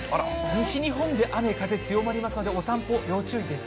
西日本で雨、風強まりますので、お散歩要注意です。